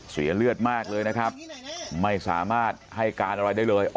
เสียเลือดมากเลยนะครับไม่สามารถให้การอะไรได้เลย